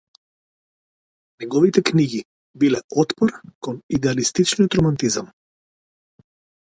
Неговите книги биле отпор кон идеалистичниот романтизам.